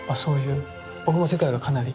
僕も世界がかなり。